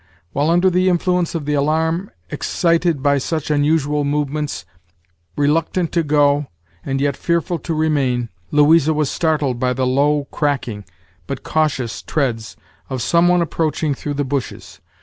While under the influence of the alarm excited by such unusual movements, reluctant to go, and yet fearful to remain, Louisa was startled by the low, cracking, but cautious treads of some one approaching through the bushes.